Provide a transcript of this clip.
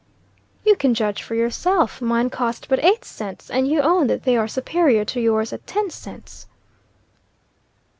"You can judge for yourself. Mine cost but eight cents, and you own that they are superior to yours at ten cents."